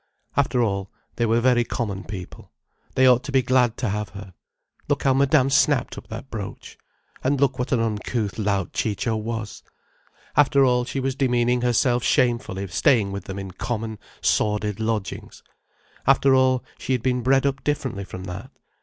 After all, they were very common people. They ought to be glad to have her. Look how Madame snapped up that brooch! And look what an uncouth lout Ciccio was! After all, she was demeaning herself shamefully staying with them in common, sordid lodgings. After all, she had been bred up differently from that.